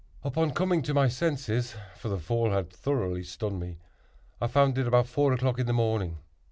Upon coming to my senses, (for the fall had very thoroughly stunned me,) I found it about four o'clock in the morning.